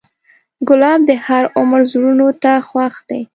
ګلاب د هر عمر زړونو ته خوښ دی.